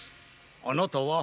あなたは？